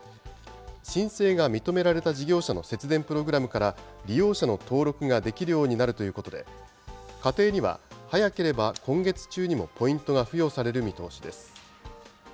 申請が認められた事業者の節電プログラムから、利用者の登録ができるようになるということで、家庭には早ければ今月中にもポイントが付与される見通しです。